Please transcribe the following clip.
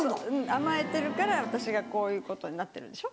甘えてるから私がこういうことになってるんでしょ。